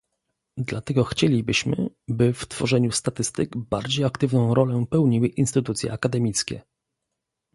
Dlatego chcielibyśmy, by w tworzeniu statystyk bardziej aktywną rolę pełniły instytucje akademickie